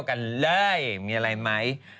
ได้แล้ว